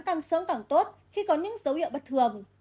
tăng sớm tăng tốt khi có những dấu hiệu bất thường